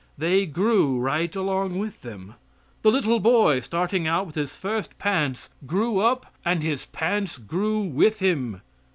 They grew right along with them. The little boy starting out with his first pants grew up and his pants grew with him.